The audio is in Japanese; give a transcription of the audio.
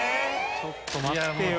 ちょっと待ってよ。